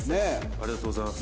ありがとうございます。